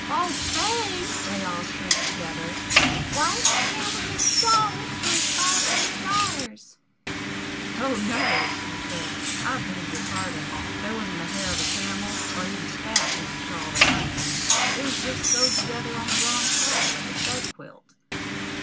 "Old thing!" they all shrieked together. "Why, it's a camel's hair shawl; it's worth five hundred dollars." "Oh no!" I said. "I beg your pardon; there wasn't the hair of a camel, or even a cat, in the shawl that I mean; it was just sewed together on the wrong side like a bed quilt."